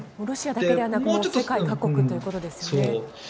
ロシアだけではなく世界各国ということですよね。